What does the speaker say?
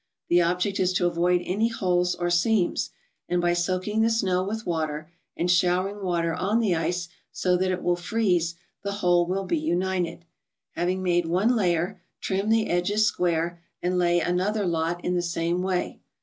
The object is to avoid any holes or seams; and by soaking the snow with water, and showering water on the ice so that it will freeze, the whole will be united. Having made one layer, trim the edges square, and lay another lot in the same way.